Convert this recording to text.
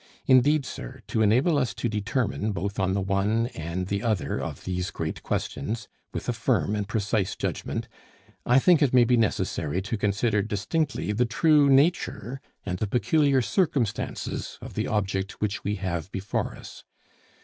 Indeed, sir, to enable us to determine both on the one and the other of these great questions with a firm and precise judgment, I think it may be necessary to consider distinctly the true nature and the peculiar circumstances of the object which we have before us.